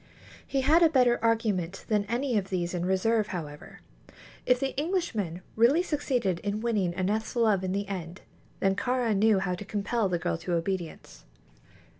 He had a better argument than any of these in reserve, however. If the Englishman really succeeded in winning Aneth's love in the end, then Kāra knew how to compel the girl to obedience.